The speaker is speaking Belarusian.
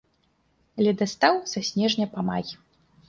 Ледастаў са снежня па май.